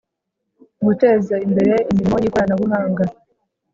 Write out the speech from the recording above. guteza imbere imirimo y'ikoranabuhanga,